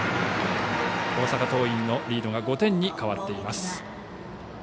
大阪桐蔭のリードが５点に変わっています。